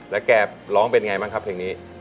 แล้วแกร้องเป็นไงบ้างครับเพลงนี้